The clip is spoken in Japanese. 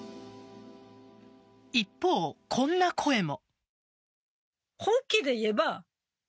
一方、こんな声も。